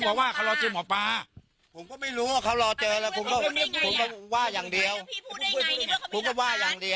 ไม่ต้องพูดเลยจับโหดปากเมียเอ้าปากเมียพูดได้